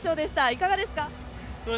いかがですか？